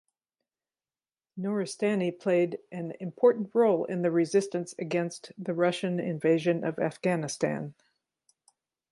Nuristani played an important role in the resistance against the Russian invasion of Afghanistan.